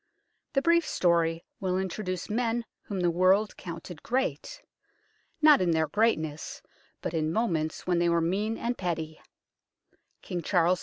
The brief story will introduce men whom the world counted great, not in their greatness, but in moments when they were mean and petty : King Charles II.